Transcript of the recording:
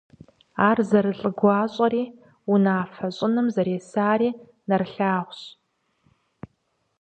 Ар зэрылӀыгуащӀэри, унафэ щӀыным зэресари нэрылъагъущ.